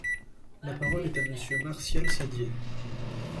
La parole est à Monsieur Martial Saddier.